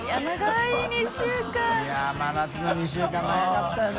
いや真夏の２週間長かったよね。